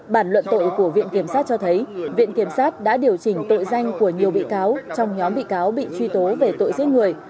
bản luận tội của viện kiểm sát cho thấy viện kiểm sát đã điều chỉnh tội danh của nhiều bị cáo trong nhóm bị cáo bị truy tố về tội giết người